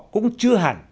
cũng chưa hẳn